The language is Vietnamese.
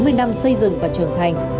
sáu mươi năm xây dựng và trưởng thành